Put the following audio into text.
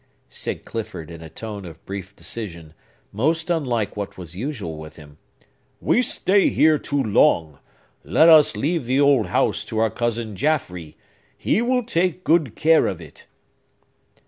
said Clifford in a tone of brief decision, most unlike what was usual with him. "We stay here too long! Let us leave the old house to our cousin Jaffrey! He will take good care of it!"